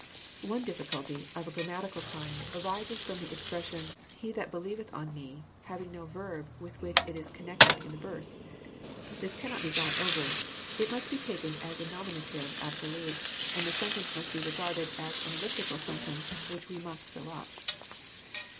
One difficulty, of a grammatical kind, arises ft*om the expres sion, '* He that believeth on me," having no verb with which it is connected in the velrse. This cannot be got over. It must be taken as a nominative absolute, and the sentence must bo regarded as an elliptical sentence, which we must fill up.